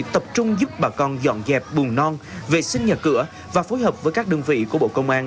tập trung giúp bà con dọn dẹp bùn non vệ sinh nhà cửa và phối hợp với các đơn vị của bộ công an